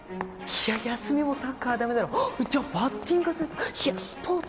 いや休みもサッカーはダメだろじゃあバッティングセンター？